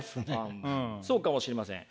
そうかもしれません。